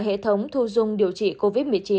hệ thống thu dung điều trị covid một mươi chín